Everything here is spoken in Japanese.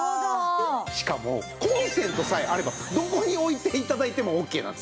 しかもコンセントさえあればどこに置いて頂いてもオッケーなんですね。